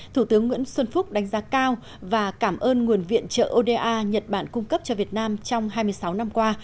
thủ tướng nguyễn xuân phúc đánh giá cao và cảm ơn nguồn viện trợ oda nhật bản cung cấp cho việt nam trong hai năm